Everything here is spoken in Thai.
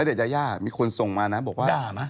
ณเดชน์ยามีคนส่งมานะบอกว่าด่ามั้ย